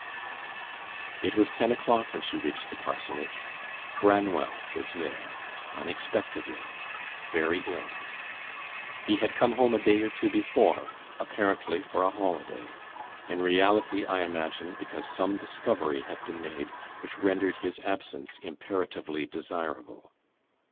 It was ten o'clock when she reached the parsonage. Branwell was there, unexpectedly, very ill. He had come home a day or two before, apparently for a holiday; in reality, I imagine, because some discovery had been made which rendered his absence imperatively desirable.